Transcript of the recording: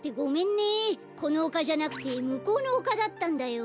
このおかじゃなくてむこうのおかだったんだよ。